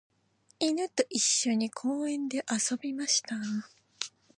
犬と一緒に公園で遊びました。